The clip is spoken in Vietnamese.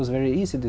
sự giúp đỡ